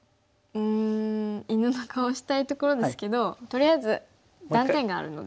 うん犬の顔したいところですけどとりあえず断点があるので。